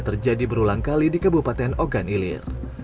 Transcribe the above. dan terjadi berulang kali di kabupaten ogan ilir